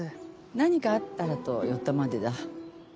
何かあったらと寄ったまでだ。